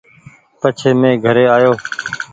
پڇي مين گھري آيو ۔